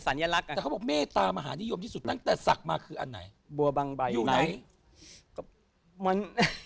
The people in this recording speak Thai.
แต่เขาบอกเมตตามหาดิโยคที่สุดตั้งแต่สักก์มาคืออันไหน